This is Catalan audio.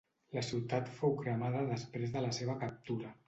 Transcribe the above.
La ciutat fou cremada després de la seva captura.